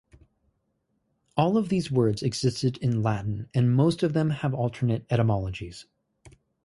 All of these words existed in Latin and most of them have alternative etymologies.